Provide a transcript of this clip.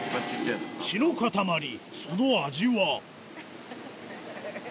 血の塊その味は？